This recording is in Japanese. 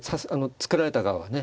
作られた側はね。